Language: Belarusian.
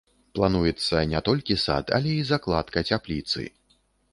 Плануецца не толькі сад, але і закладка цяпліцы.